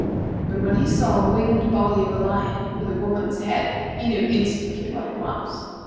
But when he saw the winged body of a lion with a woman's head, he knew instantly what it was.